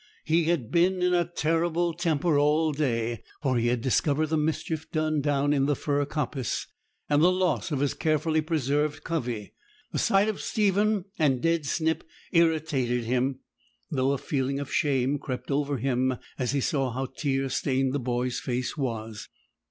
He had been in a terrible temper all day, for he had discovered the mischief done down in the fir coppice, and the loss of his carefully preserved covey. The sight of Stephen and dead Snip irritated him; though a feeling of shame crept over him as he saw how tear stained the boy's face was.